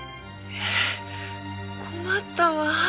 「えっ困ったわ」